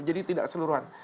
jadi tidak keseluruhan